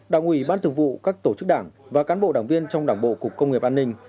đảng ủy ban thường vụ các tổ chức đảng và cán bộ đảng viên trong đảng bộ cục công nghiệp an ninh